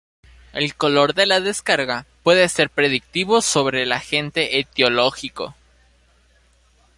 El color de la descarga, puede ser predictivo sobre el agente etiológico.